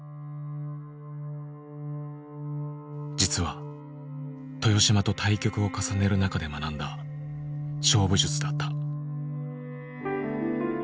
実は豊島と対局を重ねる中で学んだ勝負術だった。